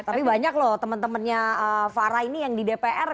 tapi banyak loh teman temannya farah ini yang di dpr